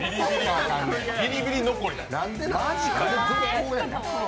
ビリビリ残りだ。